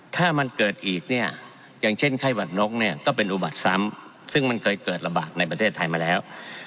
ถ้ามันเกิดอีกเนี่ยอย่างเช่นไข้หวัดนกเนี่ยก็เป็นอุบัติซ้ำซึ่งมันเคยเกิดระบาดในประเทศไทยมาแล้ว